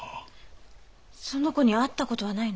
その子に会った事はないの？